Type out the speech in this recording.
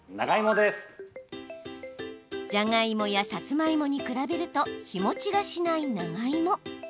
じゃがいもやさつまいもに比べると日もちがしない長芋。